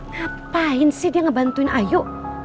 ngapain sih dia ngebantuin ayu